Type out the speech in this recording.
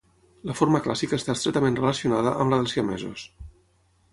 La forma clàssica està estretament relacionada amb la dels siamesos.